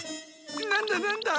なんだなんだ？